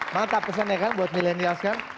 mantap pesannya kan buat milenial kan